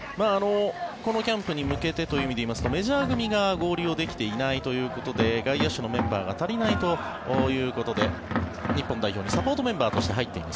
このキャンプに向けてという意味で言いますとメジャー組が合流できていないということで外野手のメンバーが足りないということで日本代表にサポートメンバーとして入っています